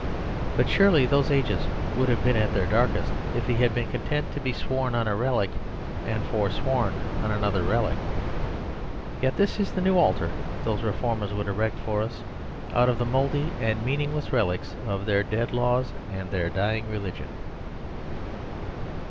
But surely those ages would have been at their darkest, if he had been content to be sworn on a relic and forsworn on another relic. Yet this is the new altar these reformers would erect for us, out of the mouldy and The Superstition of Divorce 25 meaningless relics of their dead law and their dying religion.